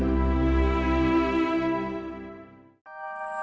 saya kaget untuk berani